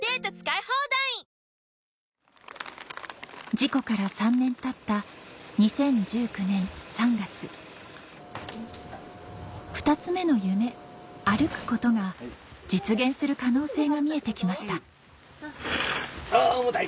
事故から３年たった２０１９年３月２つ目の夢「歩くこと」が実現する可能性が見えて来ましたあ重たい！